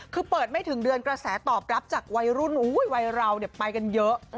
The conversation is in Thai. คือเปิดไม่ถึงเดือนกระแสตอบรับจากวัยรุ่นวัยเราไปกันเยอะ